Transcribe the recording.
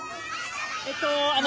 えっとあの。